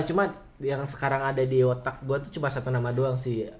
cuma yang sekarang ada di otak gue tuh cuma satu nama doang sih